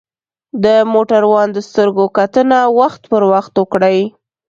د موټروان د سترګو کتنه وخت پر وخت وکړئ.